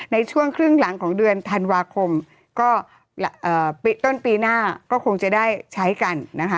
ในช่วงครึ่งหลังของเดือนธันวาคมก็ต้นปีหน้าก็คงจะได้ใช้กันนะคะ